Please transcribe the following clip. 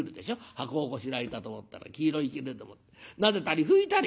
箱をこしらえたと思ったら黄色いきれでもってなでたり拭いたり」。